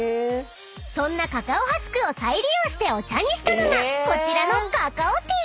［そんなカカオハスクを再利用してお茶にしたのがこちらの］